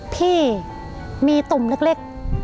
พี่มีตุ่มเล็ก